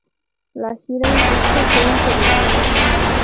La gira en curso fue interrumpida.